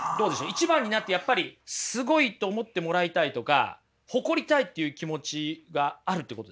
一番になってやっぱりすごいと思ってもらいたいとか誇りたいっていう気持ちがあるってことですか？